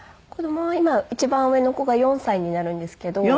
子供は今一番上の子が４歳になるんですけど。